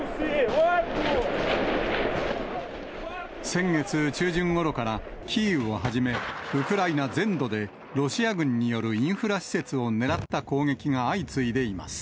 先月中旬ごろから、キーウをはじめ、ウクライナ全土でロシア軍によるインフラ施設を狙った攻撃が相次いでいます。